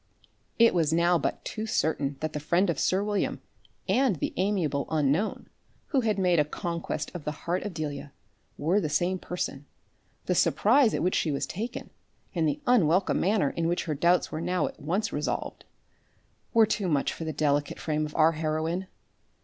It was now but too certain that the friend of sir William, and the amiable unknown, who had made a conquest of the heart of Delia, were the same person. The surprise at which she was taken, and the unwelcome manner in which her doubts were now at once resolved, were too much for the delicate frame of our heroine.